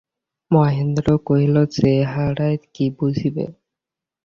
মহেন্দ্র কহিল, চেহারায় কী বুঝিবে।